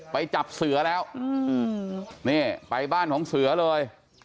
ไปจับเสือแล้วนี่ไปบ้านของเสือเลย